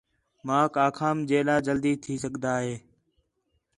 ماک آکھام جیݙا جلدی تھی سڳدا ہے